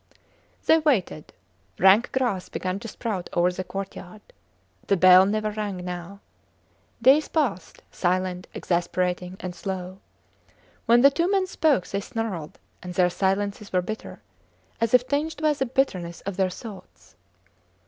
They waited. Rank grass began to sprout over the courtyard. The bell never rang now. Days passed, silent, exasperating, and slow. When the two men spoke, they snarled; and their silences were bitter, as if tinged by the bitterness of their thoughts.